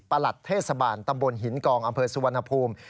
หลัดเทศบาลตำบลหินกองอำเภอสุวรรณภูมิ